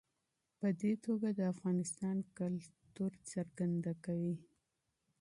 په دې توګه د افغانستان کلتور معرفي کوي.